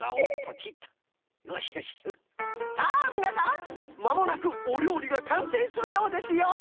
さあみなさんまもなくおりょうりがかんせいするようですよ！